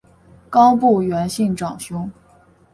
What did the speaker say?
冈部元信长兄。